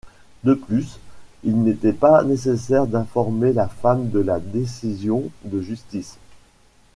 De plus, ils n’étaient pas nécessaire d’informer la femme de la décision de justice.